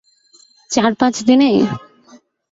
চার পাচ দিনেই?